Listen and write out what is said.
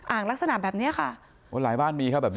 อ่างลักษณะแบบนี้ค่ะอ๋อหลายบ้านมีค่ะแบบนี้